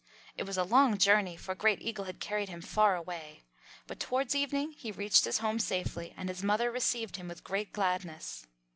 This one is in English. It was a long journey, for Great Eagle had carried him far away, but towards evening he reached his home safely, and his mother received him with great gladness.